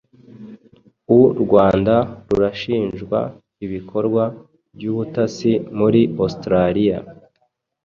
U Rwanda rurashinjwa ibikorwa by'ubutasi muri Australia